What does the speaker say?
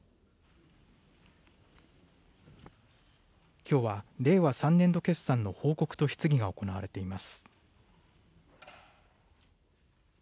きょうは令和３年度決算の報告と質疑が行われています。